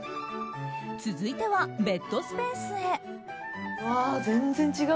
続いては、ベッドスペースへ。